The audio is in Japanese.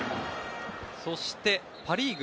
そしてパ・リーグ